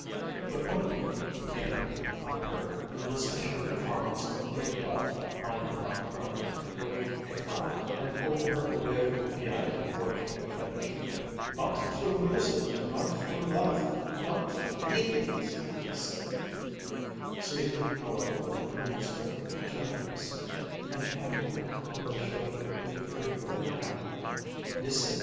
But one evening he came in, unheard, listened to her performance of the B flat minor nocturne with a frown, and pulled her away from the piano before she had finished. "Not true music, not true love, not true anydings!" he said, speaking however with an unexpected gentleness, and patting her on the shoulder with a dirty old hand. "Listen!"